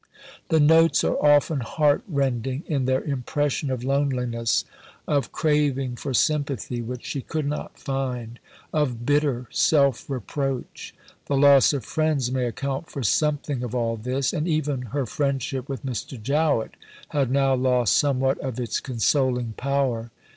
The notes are often heart rending in their impression of loneliness, of craving for sympathy which she could not find, of bitter self reproach. The loss of friends may account for something of all this, and even her friendship with Mr. Jowett had now lost somewhat of its consoling power.